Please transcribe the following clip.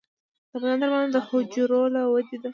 د بدن درملنه د حجرو له ودې ده.